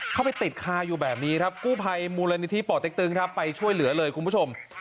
เข้าไปติดคาอยู่แบบนี้ครับกู้ภัยมูลนิธิป่อเต็กตึงครับไปช่วยเหลือเลยคุณผู้ชม